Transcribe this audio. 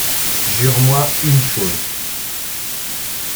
Jure-moi une chose !